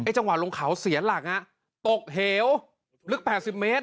จังหวะลงเขาเสียหลักตกเหวลึก๘๐เมตร